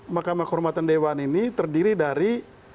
mkd ini terdiri dari